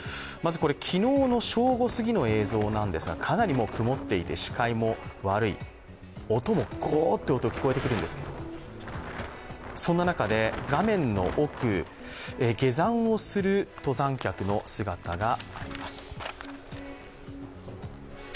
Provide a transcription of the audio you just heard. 昨日の正午過ぎの映像なんですが、かなり曇っていて視界も悪い、音もゴーッという音が聞こえてくるんですけれども、そんな中で画面の奥、下山をする登山客の姿があります。